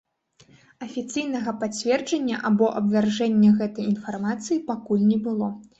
Афіцыйнага пацверджання або абвяржэння гэтай інфармацыі пакуль не было.